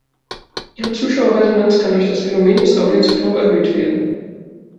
Ihre Zuschauerresonanz kann durch das Phänomen des Audience Flow erhöht werden.